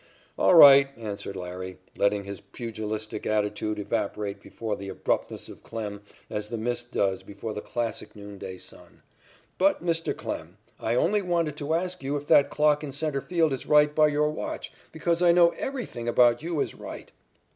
"All right," answered "Larry," letting his pugilistic attitude evaporate before the abruptness of Klem as the mist does before the classic noonday sun, "but, Mr. Klem, I only wanted to ask you if that clock in centre field is right by your watch, because I know everything about you is right."